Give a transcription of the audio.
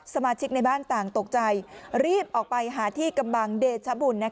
สมาชิกในบ้านต่างตกใจรีบออกไปหาที่กำบังเดชบุญ